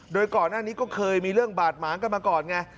โดยก่อนหน้านี้ก็เคยมีเรื่องบาดหมางกันมาก่อนไง